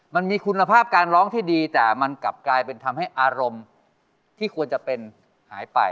มันมีคุณภาพการร้องที่ดีแต่มันกลับกลายเป็นทำให้อารมณ์ที่ควรจะเป็นหายไป